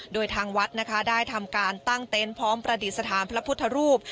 โดยทางวัดนะคะได้ทำการตั้งเต็นต์พร้อมประดิษฐานพระพุทธรูป